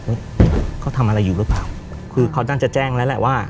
เขาทำอะไรอยู่หรือเปล่าคือเขาน่าจะแจ้งแล้วแหละว่า